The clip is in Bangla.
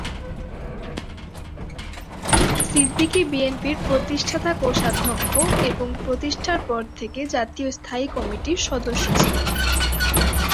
সিদ্দিকী বিএনপির প্রতিষ্ঠাতা কোষাধ্যক্ষ এবং প্রতিষ্ঠার পর থেকে জাতীয় স্থায়ী কমিটির সদস্য ছিলেন।